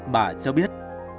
bà cho biết